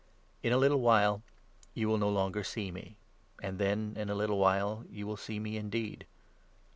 words ^n a little while you will no longer see me ; and 16 of then in a little while you will see me indeed."